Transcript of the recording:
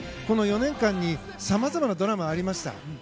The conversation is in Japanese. この４年間に様々なドラマがありました。